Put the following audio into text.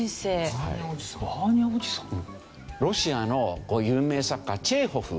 ロシアの有名作家チェーホフ。